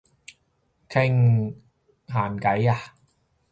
傾閒偈呀？